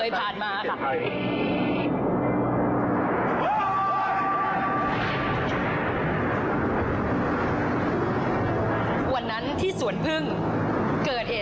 วอล์เข้ามาเพื่อนแนะนำวิธีการช่วยเหลือประชาชน